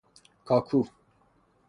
کا کو